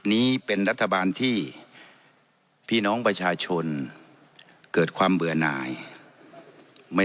นี้เป็นรัฐบาลที่พี่น้องประชาชนเกิดความเบื่อหน่ายไม่